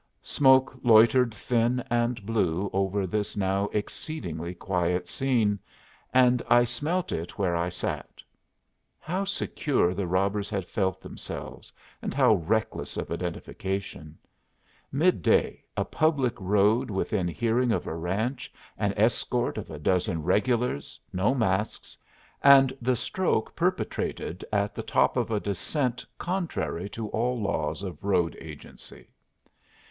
Smoke loitered thin and blue over this now exceedingly quiet scene, and I smelt it where I sat. How secure the robbers had felt themselves, and how reckless of identification! Mid day, a public road within hearing of a ranch, an escort of a dozen regulars, no masks, and the stroke perpetrated at the top of a descent, contrary to all laws of road agency.